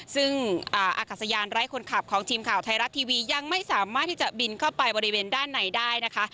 ซึ่งอากาศยานไร้คนขับของทีมข่าวไทยรัฐทีวียังไม่สามารถที่จะบินเข้าไปบริเวณด้านในได้นะคะ